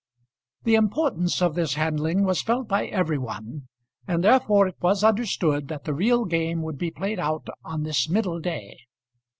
The importance of this handling was felt by every one, and therefore it was understood that the real game would be played out on this middle day.